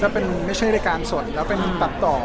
แล้วเป็นไม่ใช่รายการสดแล้วเป็นรายการตัดต่อ